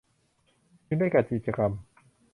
จึงได้จัดกิจกรรม